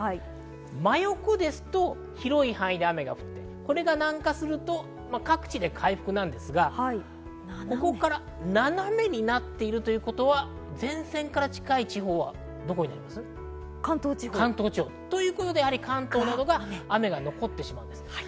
真横ですと広い範囲で雨、これが南下すると各地で回復なんですが、斜めになっているということは、前線から近い地方は関東地方ということで関東などは雨が残ってしまう。